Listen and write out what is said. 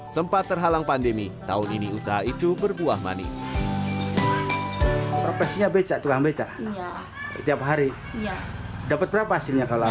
sempat terhalang pandemi tahun ini usaha itu berbuah manis